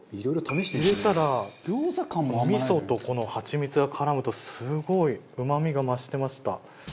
入れたらお味噌とこの蜂蜜が絡むとすごいうま味が増してました。